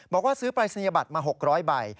บอกว่าซื้อปรายศนียบัตรมา๖๐๐ใบ